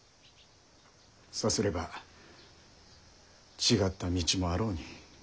さすれば違った道もあろうに。